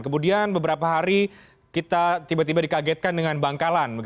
kemudian beberapa hari kita tiba tiba dikagetkan dengan bangkalan